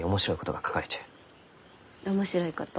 面白いこと？